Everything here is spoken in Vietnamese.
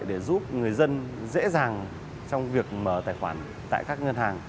để giúp người dân dễ dàng trong việc mở tài khoản tại các ngân hàng